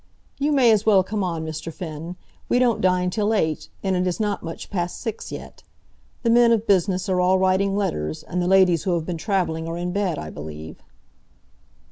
"You may as well come on, Mr. Finn. We don't dine till eight, and it is not much past six yet. The men of business are all writing letters, and the ladies who have been travelling are in bed, I believe."